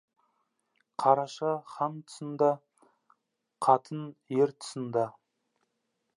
Қараша хан тұсында, қатын ер тұсында.